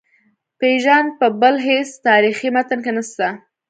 بیژن په بل هیڅ تاریخي متن کې نسته.